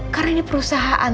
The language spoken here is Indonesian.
karena ini perusahaan